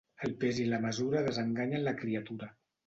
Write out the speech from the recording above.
El pes i la mesura desenganyen la criatura.